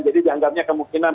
jadi dianggapnya kemungkinan